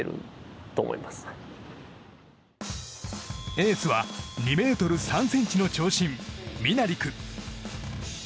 エースは２ｍ３ｃｍの長身ミナリク。